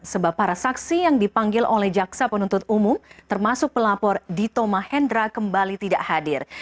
sebab para saksi yang dipanggil oleh jaksa penuntut umum termasuk pelapor dito mahendra kembali tidak hadir